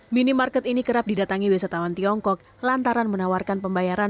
minimarket ini kerap didatangi wisatawan tiongkok lantaran menawarkan pembayaran